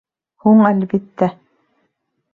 Һуң әлбиттә.